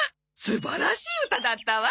素晴らしい歌だったわ。